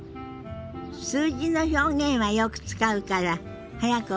数字の表現はよく使うから早く覚えたいわよね。